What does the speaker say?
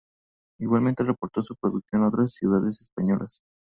Igualmente exportó su producción a otras ciudades españolas.